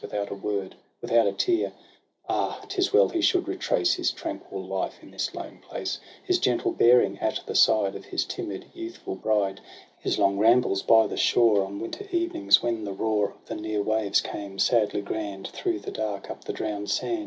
Without a word, without a tear. — Ah ! 'tis well he should retrace His tranquil Hfe in this lone place; His gentle bearing at the side Of his timid youthful bride; His long rambles by the shore On winter evenings, when the roar Of the near waves came, sadly grand, Through the dark, up the drown'd sand.